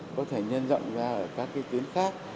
có thể nhân dọn ra ở các cái tuyến khác